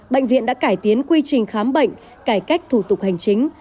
bệnh viện đã cải tiến quy trình khám bệnh cải cách thủ tục hành chính